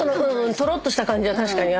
とろっとした感じは確かにある。